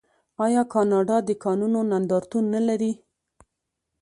آیا کاناډا د کانونو نندارتون نلري؟